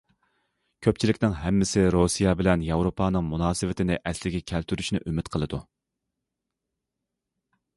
كۆپچىلىكنىڭ ھەممىسى رۇسىيە بىلەن ياۋروپانىڭ مۇناسىۋەتنى ئەسلىگە كەلتۈرۈشىنى ئۈمىد قىلىدۇ.